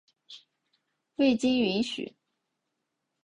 未经允许